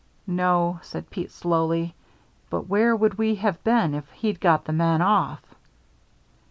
"No," said Pete, slowly; "but where would we have been if he'd got the men off?"